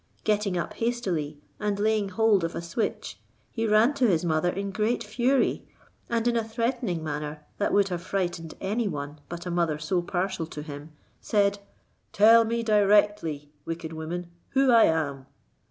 Getting up hastily, and laying hold of a switch, he ran to his mother in great fury, and in a threatening manner that would have frightened any one but a mother so partial to him, said, "Tell me directly, wicked woman, who I am."